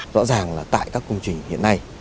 rõ ràng là tại các công trình hiện nay